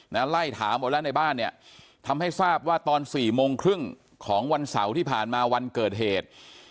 ไล่ถามออกแล้วในบ้านเนี่ยทำให้ทราบว่าตอนสี่โมงครึ่งของวันเสาร์ที่ผ่านมาวันเกิดเหตุ